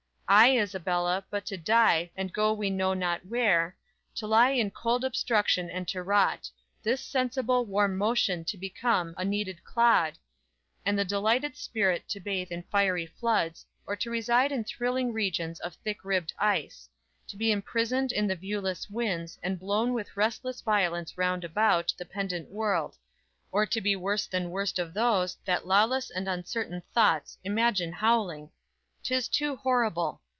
Ay, Isabella, but to die, and go we know not where; To lie in cold obstruction and to rot; This sensible, warm motion to become A kneaded clod; and the delighted spirit To bathe in fiery floods, or to reside In thrilling regions of thick ribbed ice; To be imprisoned in the viewless winds, And blown with restless violence round about The pendant world; or to be worse than worst Of those, that lawless and uncertain thoughts Imagine howling! 'Tis too horrible!